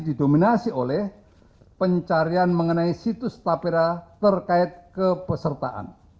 didominasi oleh pencarian mengenai situs tapera terkait kepesertaan